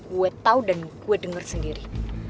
gue tau dan gue denger sendiri